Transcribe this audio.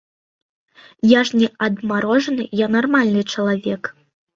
Я ж не адмарожаны, я нармальны чалавек.